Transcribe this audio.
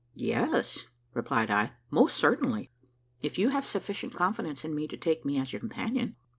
"Yes," replied I, "most certainly, if you have sufficient confidence in me to take me as your companion."